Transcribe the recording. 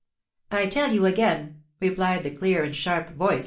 "I tell you again," replied the clear and sharp voice of M.